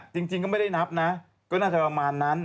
จริงก็ไม่ได้นับนะก็น่าจะประมาณนั้น